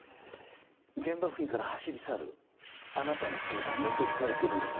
現場付近から走り去るあなたの姿が目撃されているんです。